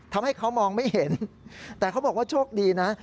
ทำให้เขามองไม่เห็นแต่เขาบอกว่าโชคดีนะ